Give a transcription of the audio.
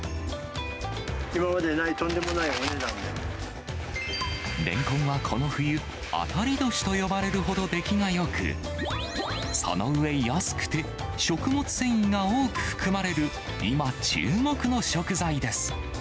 今までにない、とんでもないレンコンはこの冬、当たり年と呼ばれるほど出来がよく、そのうえ安くて、食物繊維が多く含まれる、今、注目の食材です。